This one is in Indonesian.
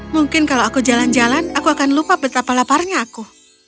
mungkin kalau aku jalan jalan aku akan lupa betapa laparnya aku